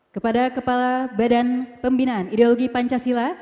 kepada kepala badan pembinaan ideologi pancasila